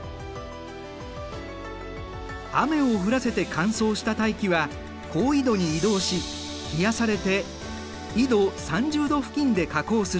雨を降らせて乾燥した大気は高緯度に移動し冷やされて緯度３０度付近で下降する。